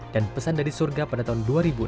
dan pesan dari surga pada tahun dua ribu enam